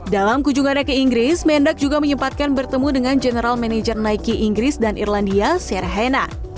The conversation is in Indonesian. dalam kunjungannya ke inggris mendak juga menyempatkan bertemu dengan general manager nike inggris dan irlandia serehena